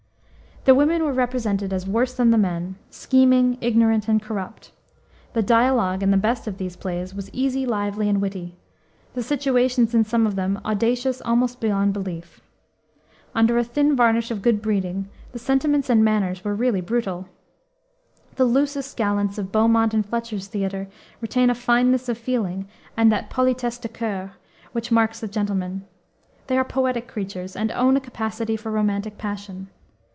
The women were represented as worse than the men scheming, ignorant, and corrupt. The dialogue in the best of these plays was easy, lively, and witty; the situations in some of them audacious almost beyond belief. Under a thin varnish of good breeding, the sentiments and manners were really brutal. The loosest gallants of Beaumont and Fletcher's theater retain a fineness of feeling and that politesse de coeur which marks the gentleman. They are poetic creatures, and own a capacity for romantic passion.